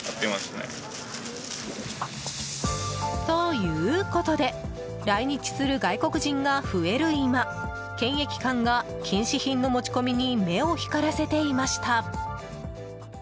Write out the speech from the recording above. ということで来日する外国人が増える今検疫官が禁止品の持ち込みに目を光らせていました。